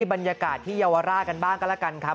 บรรยากาศที่เยาวราชกันบ้างก็แล้วกันครับ